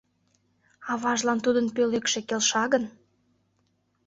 Аважлан тудын пӧлекше келша гын?